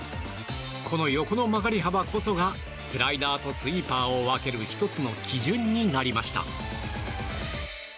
この横の曲がり幅こそがスライダーとスイーパーを分ける１つの基準になりました。